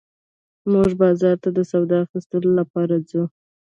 موږ بازار ته د سودا اخيستلو لپاره ځو